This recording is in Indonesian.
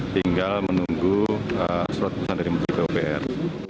tinggal menunggu surat pesan dari menteri popr